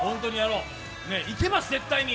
いけます、絶対に。